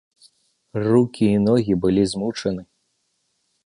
Рукі і ногі былі змучаны.